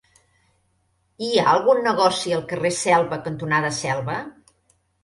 Hi ha algun negoci al carrer Selva cantonada Selva?